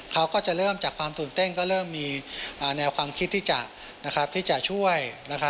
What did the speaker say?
เขาก็จะเริ่มจากความตื่นเต้นก็เริ่มมีแนวความคิดที่จะช่วย